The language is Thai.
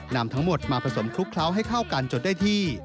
นำทั้งหมดมาผสมคลุกเคล้าให้เข้ากันจนได้ที่